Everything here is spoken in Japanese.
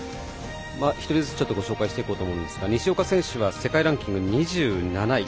１人ずつご紹介していこうと思うんですが西岡選手は世界ランキング２７位。